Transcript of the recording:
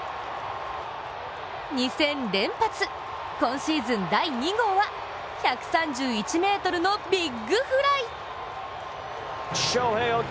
２戦連発、今シーズン第２号は１３１ｍのビッグフライ！